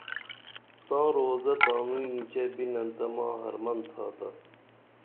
تاں روضہ تانوی اینچے بِنن تہ ماں حرمن تھاتا